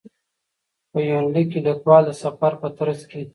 په یونلیک کې لیکوال د سفر په ترڅ کې.